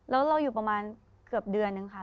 แล้วเราอยู่ประมาณเกือบเดือนนึงค่ะ